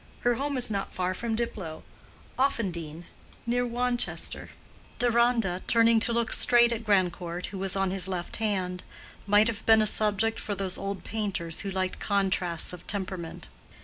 Her home is not far from Diplow: Offendene, near Winchester." Deronda, turning to look straight at Grandcourt, who was on his left hand, might have been a subject for those old painters who liked contrasts of temperament.